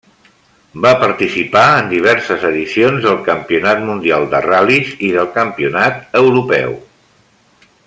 Va participar en diverses edicions del Campionat Mundial de Ral·lis i del Campionat Europeu.